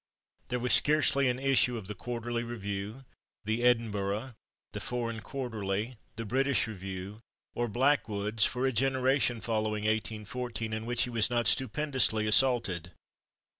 There was scarcely an issue of the /Quarterly Review/, the /Edinburgh/, the /Foreign Quarterly/, the /British Review/ or /Blackwood's/, for a generation following 1814, in which he was not stupendously assaulted.